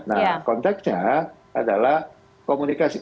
nah konteksnya adalah komunikasi